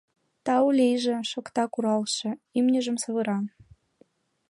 — Тау лийже! — шокта куралше, имньыжым савыра.